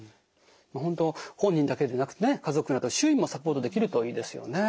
本当本人だけでなくてね家族など周囲もサポートできるといいですよね。